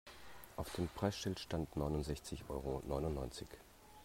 Auf dem Preisschild stand neunundsechzig Euro neunundneunzig.